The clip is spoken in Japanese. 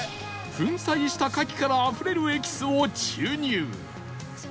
粉砕した牡蠣からあふれるエキスを注入牡蠣エキス。